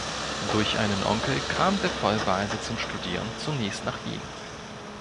Durch einen Onkel kam der Vollwaise zum Studieren zunächst nach Wien.